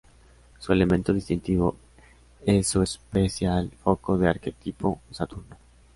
Su elemento distintivo es su especial foco en arquetipo "saturno".